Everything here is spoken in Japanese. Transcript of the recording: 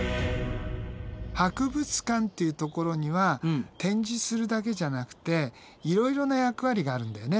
博物館っていうところには展示するだけじゃなくていろいろな役割があるんだよね。